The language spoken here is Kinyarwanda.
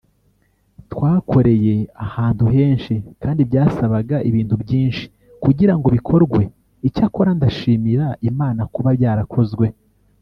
twakoreye ahantu henshi kandi byasabaga ibintu byinshi kugira ngo bikorwe icyakora ndashimira Imana kuba byarakozwe